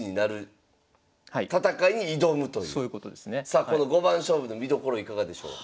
さあこの五番勝負の見どころいかがでしょう？